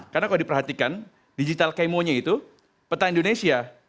karena kalau diperhatikan digital chemo nya itu peta indonesia